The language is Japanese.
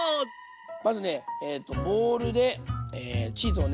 まずねボウルでチーズをね